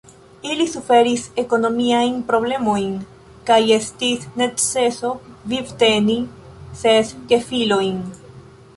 Ili suferis ekonomiajn problemojn, kaj estis neceso vivteni ses gefilojn.